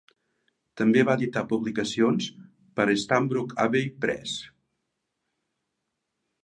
També va editar publicacions per a Stanbrook Abbey Press.